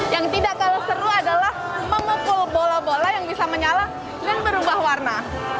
yang tidak kalah seru adalah memukul bola bola yang bisa menyala dan berubah warna